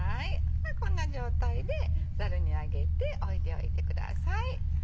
こんな状態でザルに上げて置いておいてください。